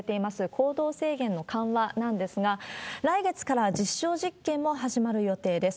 行動制限の緩和なんですが、来月から実証実験も始まる予定です。